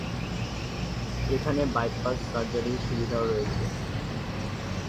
এখানে বাই-পাস সার্জারির সুবিধাও রয়েছে।